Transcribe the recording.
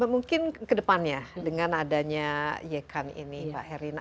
mungkin ke depannya dengan adanya yekan ini pak herina